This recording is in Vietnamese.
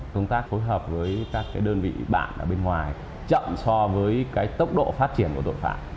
công tác phối hợp với các đơn vị bạn ở bên ngoài chậm so với cái tốc độ phát triển của tội phạm